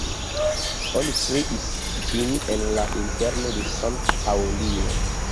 Oni kreis ĝin en la interno de San-Paŭlio.